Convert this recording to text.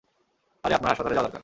আরে, আপনার হাসপাতালে যাওয়া দরকার!